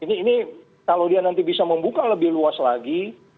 ini kalau dia nanti bisa membuka lebih luas lagi